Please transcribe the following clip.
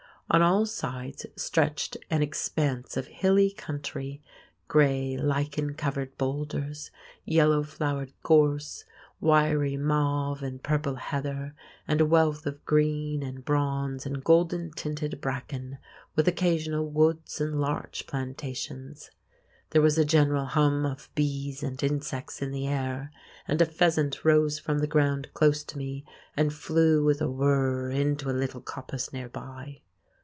On all sides stretched an expanse of hilly country, grey lichen covered boulders, yellow flowered gorse, wiry mauve and purple heather, and a wealth of green, and bronze, and golden tinted bracken, with occasional woods and larch plantations. There was a general hum of bees and insects in the air, and a pheasant rose from the ground close to me and flew with a whirr into a little coppice near by.